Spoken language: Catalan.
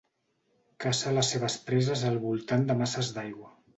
Caça les seves preses al voltant de masses d'aigua.